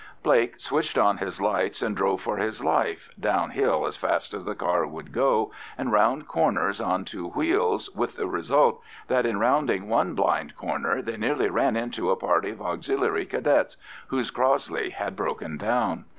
Blake switched on his lights and drove for his life, down hill as fast as the car would go and round corners on two wheels, with the result that in rounding one blind corner they nearly ran into a party of Auxiliary Cadets, whose Crossley had broken down.